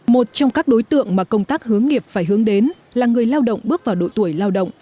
một trong các đối tượng mà công tác hướng nghiệp phải hướng đến là người lao động bước vào độ tuổi lao động